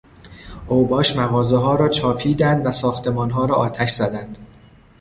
اوباش مغازهها را چاپیدند و ساختمانها را آتش زدند.